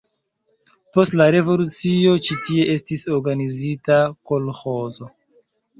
Post la revolucio ĉi tie estis organizita kolĥozo.